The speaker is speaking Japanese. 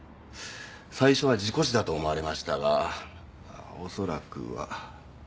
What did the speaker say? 最初は事故死だと思われましたが恐らくは。